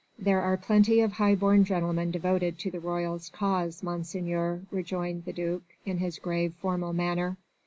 "There are plenty of high born gentlemen devoted to the royalist cause, Monseigneur," rejoined the duc in his grave, formal manner.